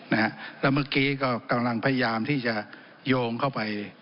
แล้วเมื่อกี้ก็กำลังพยายามที่จะโยงเข้าไป